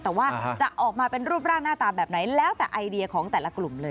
แต่ว่าจะออกมาเป็นรูปร่างหน้าตาแบบไหนแล้วแต่ไอเดียของแต่ละกลุ่มเลย